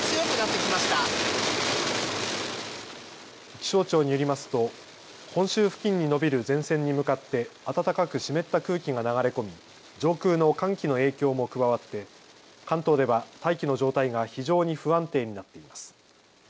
気象庁によりますと本州付近に延びる前線に向かって暖かく湿った空気が流れ込み上空の寒気の影響も加わって関東では大気の状態が非常に不安定になっています。